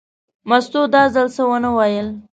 مستو دا ځل څه ونه ویل.